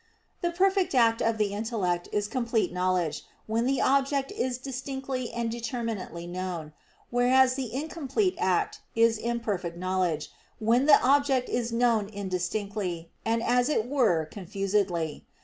The perfect act of the intellect is complete knowledge, when the object is distinctly and determinately known; whereas the incomplete act is imperfect knowledge, when the object is known indistinctly, and as it were confusedly.